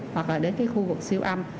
hoặc là đến cái khu vực siêu âm